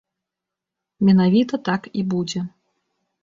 Менавіта так і будзе.